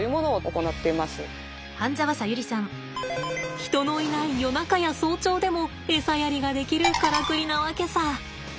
人のいない夜中や早朝でもエサやりができるからくりなわけさ。